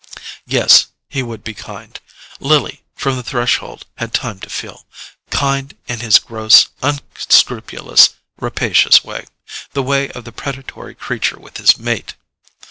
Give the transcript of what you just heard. Yes, he would be kind—Lily, from the threshold, had time to feel—kind in his gross, unscrupulous, rapacious way, the way of the predatory creature with his mate.